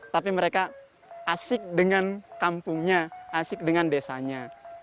tapi mereka asik dengan kampungnya asik dengan desanya